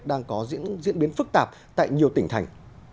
đang có diễn biến phức tạp tại nhiều tỉnh thành